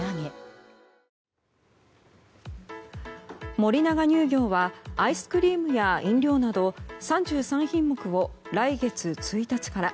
森永乳業はアイスクリームや飲料など３３品目を、来月１日から。